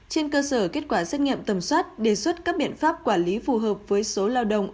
trên cơ sở kết quả xét nghiệm tầm soát đề xuất các biện pháp quản lý phù hợp với số lao động